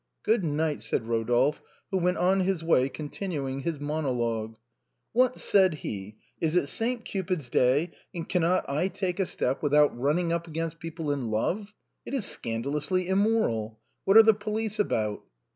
" Good night," said Eodolphe, who went on his way con tinuing his monologue. " What," said he, " is it St. Cupid's Day, and cannot I take a step without running up against LENTEN LOVES. 47 people in love ? It is scandalously immoral. What are the police about